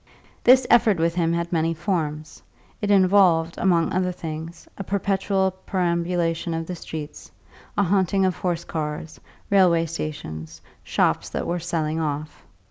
This effort with him had many forms; it involved, among other things, a perpetual perambulation of the streets, a haunting of horse cars, railway stations, shops that were "selling off."